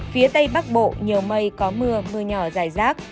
phía tây bắc bộ nhiều mây có mưa mưa nhỏ dài rác